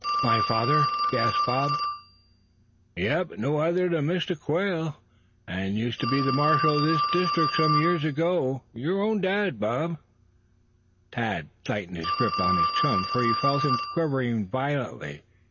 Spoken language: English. "My father?" gasped Bob. "Yep, an' no other then Mistah Quail, as used ter be ther marshal o' this deestrict sum years ago, yer own dad, Bob!" Thad tightened his grip upon his chum, for he felt him quivering violently.